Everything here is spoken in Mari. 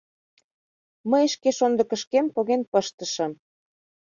— Мый шке шондыкышкем поген пыштышым.